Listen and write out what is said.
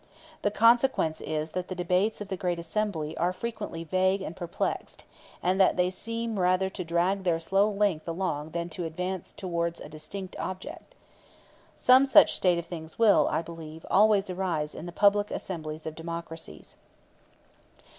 The consequence is that the debates of that great assembly are frequently vague and perplexed, and that they seem rather to drag their slow length along than to advance towards a distinct object. Some such state of things will, I believe, always arise in the public assemblies of democracies.